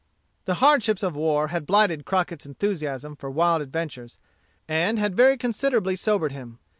The hardships of war had blighted Crockett's enthusiasm for wild adventures, and had very considerably sobered him.